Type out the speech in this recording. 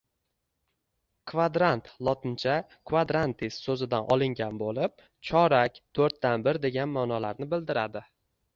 Kvadrant - lotincha ”quadrantis" soʻzidan olingan boʻlib, chorak, toʻrtdan bir degan maʼnolarni bildiradi.